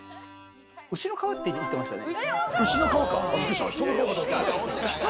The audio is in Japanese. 牛の皮って言ってましたね。